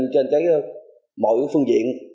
trên mọi phương diện